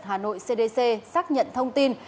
tật hà nội cdc xác nhận thông tin